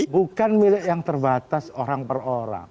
bukan milik yang terbatas orang per orang